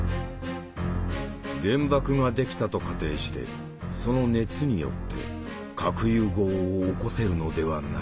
「原爆が出来たと仮定してその熱によって核融合を起こせるのではないか」。